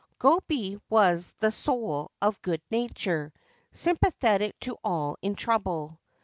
Gobei was the soul of good nature, sympathetic to all in trouble.